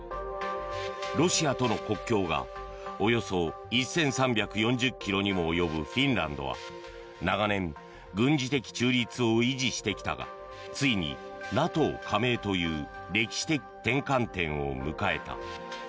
ロシアとの国境がおよそ１３４０ｋｍにも及ぶフィンランドは長年軍事的中立を維持してきたがついに、ＮＡＴＯ加盟という歴史的転換点を迎えた。